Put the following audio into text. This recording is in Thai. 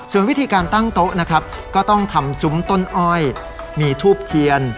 ส่วนวิธีการตั้งโต๊ะนะครับก็ต้องทำซุ้มต้นอ้อยมีทูบเทียน